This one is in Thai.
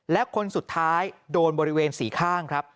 และคนสุดท้ายโดนบริเวณสี่ข้างครับ